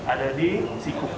ada di siku